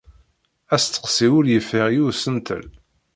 Asteqsi ur yeffiɣ i usentel.